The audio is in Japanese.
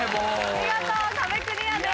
見事壁クリアです。